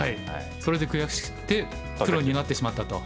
それで悔しくてプロになってしまったと。